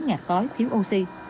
ngạc khói thiếu oxy